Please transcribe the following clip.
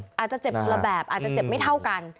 อาจจะเจ็บคนละแบบอาจจะเจ็บไม่เท่ากัน